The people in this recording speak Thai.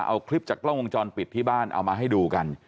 เอาคลิปจากกล้องวงจรปิดที่บ้านเอามาให้ดูกัน